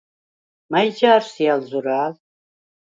მა̈ჲ ჯა̄რ სი ალ ზურა̄ლ?